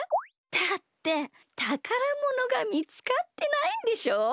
だってたからものがみつかってないんでしょ？